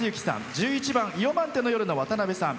１１番「イヨマンテの夜」のわたなべさん。